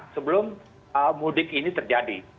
sebelum mudik ini terjadi